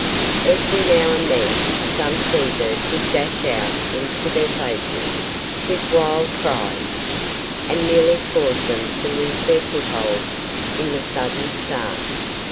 Every now and then some seabird would dash out into their faces with wild cries, and nearly cause them to lose their foothold in the sudden start.